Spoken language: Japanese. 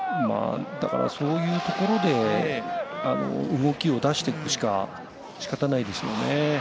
そういうところで動きを出していくしか仕方ないですよね。